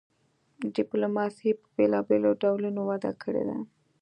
ډیپلوماسي په بیلابیلو ډولونو وده کړې ده